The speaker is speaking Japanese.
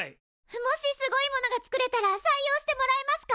もしすごいものがつくれたら採用してもらえますか？